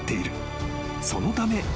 ［そのため］